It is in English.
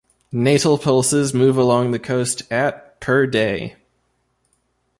Natal pulses move along the coast at per day.